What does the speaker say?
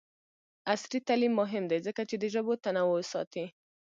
عصري تعلیم مهم دی ځکه چې د ژبو تنوع ساتي.